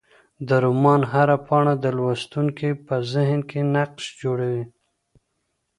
د رومان هره پاڼه د لوستونکي په ذهن کې نقش جوړوي.